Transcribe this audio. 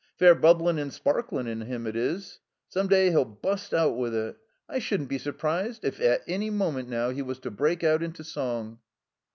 Pair bubblin' and sparklin' in him, it is. Some day he'll bust out with it. I shouldn't be surprised if, at any moment now, he was to break out into song."